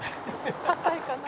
「硬いかな？」